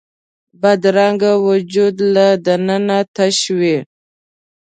بدرنګه وجود له دننه تش وي